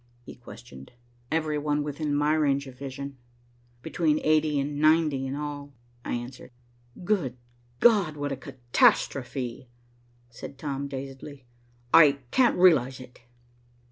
he questioned. "Every one within my range of vision. Between eighty and ninety in all," I answered. "Good God! What a catastrophe," said Tom dazedly. "I can't realize it."